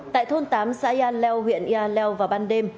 tại thôn tám xã yaleo huyện yaleo vào ban đêm